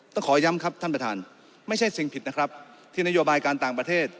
ต้องขอย้ำครับท่านประธานไม่ใช่สิ่งผิดนะครับที่นโยบายการต่างประเทศ